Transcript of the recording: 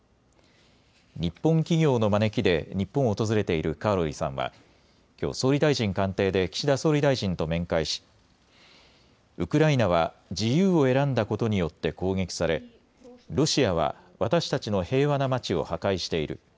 日本企業の招きで日本を訪れているカーロリさんはきょう、総理大臣官邸で岸田総理大臣と面会しウクライナは自由を選んだことによって攻撃され、ロシアは私たちの平和な街を破壊している。